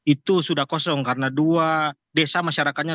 itu sudah kosong karena dua desa masyarakatnya